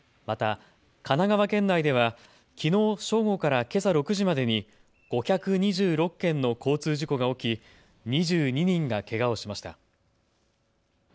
また神奈川県内ではきのう正午からけさ６時までに５２６件の交通事故が起き２２人がけがをしました。